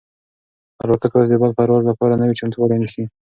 الوتکه اوس د بل پرواز لپاره نوی چمتووالی نیسي.